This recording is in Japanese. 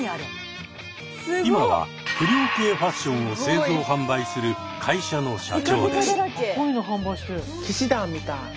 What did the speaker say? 今は「不良系」ファッションを製造・販売する会社の社長です。